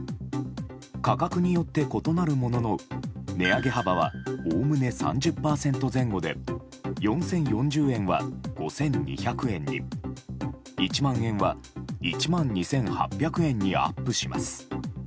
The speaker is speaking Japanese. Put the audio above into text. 価格によって異なるものの値上げ幅はおおむね３０％前後で４０４０円は５２００円に１万円は１万２８００円にアップします。